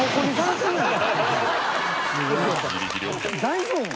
大丈夫？